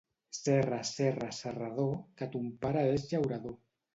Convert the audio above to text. Serra, serra, serrador, que ton pare és llaurador.